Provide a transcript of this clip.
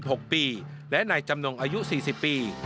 ในนารินอายุ๓๖ปีและในจำนงอายุ๔๐ปี